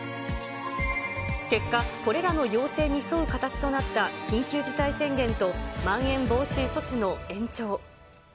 結果、これらの要請に沿う形となった、緊急事態宣言とまん延防止措置の延長。